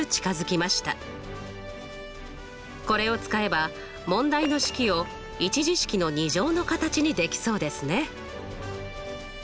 これを使えば問題の式を１次式の２乗の形にできそうですね！